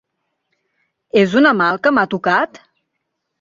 És una mà el que m'ha tocat?